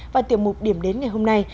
và tiểu mục điểm đến ngày hôm nay